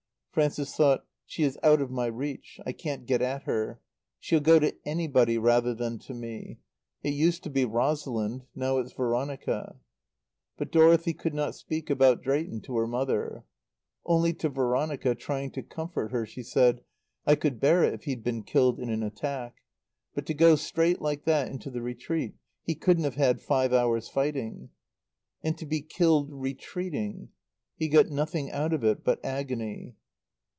Frances thought: "She is out of my reach. I can't get at her. She'll go to anybody rather than to me. It used to be Rosalind. Now it's Veronica." But Dorothy could not speak about Drayton to her mother. Only to Veronica, trying to comfort her, she said, "I could bear it if he'd been killed in an attack. But to go straight, like that, into the retreat. He couldn't have had five hours' fighting. "And to be killed Retreating. "He got nothing out of it but agony."